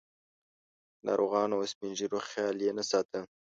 د ناروغانو او سپین ږیرو خیال یې نه ساته.